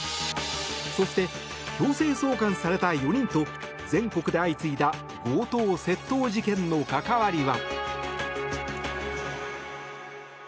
そして、強制送還された４人と全国で相次いだ強盗・窃盗事件の関わりは。